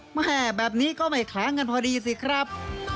แม่แบบนี้ก็ไม่ค้างกันพอดีสิครับ